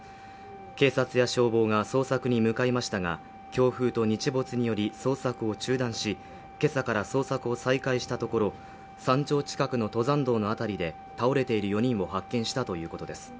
警察や消防が捜索に向かいましたが強風と日没により捜索を中断しけさから捜索を再開したところ山頂近くの登山道の辺りで倒れている４人を発見したということです